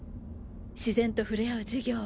自然と触れ合う授業。